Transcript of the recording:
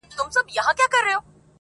ورښودلي خپل استاد وه څو شعرونه-